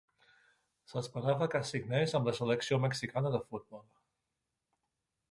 S'esperava que signés amb la selecció mexicana de futbol.